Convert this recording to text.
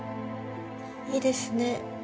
いいですね